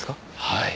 はい。